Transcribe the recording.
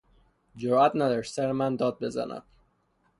جرات نداشت سر من داد بزند.